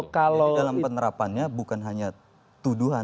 kalau dalam penerapannya bukan hanya tuduhan